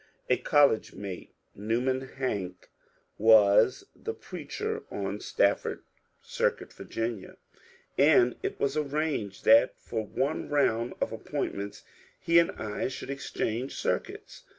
102 MONCURE DANIEL CONWAY A ooUege mate, Newman Hank, was the preacher on Staf* ford Circuit, Virginia, and it was arranged tiiat for one round of appointments he and I should exchange circuits.